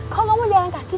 kok kamu jalan kaki sih